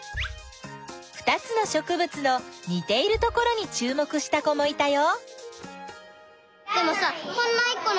２つのしょくぶつのにているところにちゅうもくした子もいたよ。